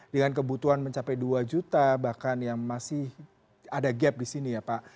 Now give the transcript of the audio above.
dengan kebutuhan mencapai dua juta bahkan yang masih ada gap di sini ya pak